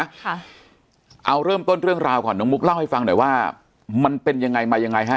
ค่ะเอาเริ่มต้นเรื่องราวก่อนน้องมุกเล่าให้ฟังหน่อยว่ามันเป็นยังไงมายังไงฮะ